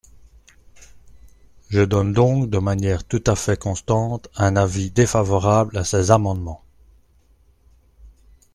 Je donne donc, de manière tout à fait constante, un avis défavorable à ces amendements.